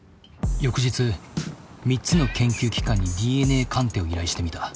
翌日３つの研究機関にＤＮＡ鑑定を依頼してみた。